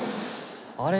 「あれ？